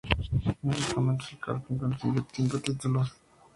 En sus comienzos en el karting, consiguió cinco títulos paulistas y un título brasileño.